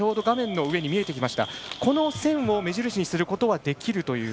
その線を目印にすることができるという。